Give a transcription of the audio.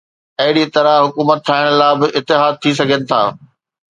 اهڙي طرح حڪومت ٺاهڻ لاءِ به اتحاد ٿي سگهن ٿا.